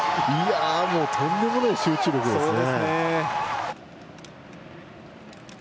とんでもない集中力ですね。